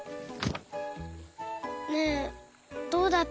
ねえどうだった？